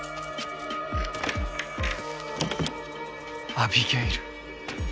アビゲイル。